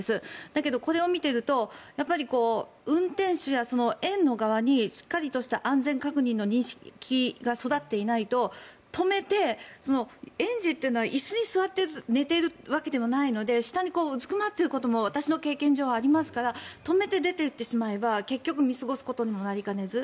だけど、これを見ていると運転手や園の側にしっかりとした安全確認の認識が育ってないと止めて、エンジンというのは椅子に座っていると寝ているわけではないので下にうずくまっていることも私の経験上ありますから止めて出ていってしまえば結局見過ごすことにもなりかねず。